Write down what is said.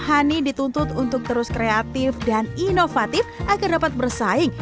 hani dituntut untuk terus kreatif dan inovatif agar dapat bersaing